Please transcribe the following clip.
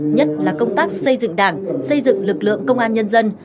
nhất là công tác xây dựng đảng xây dựng lực lượng công an nhân dân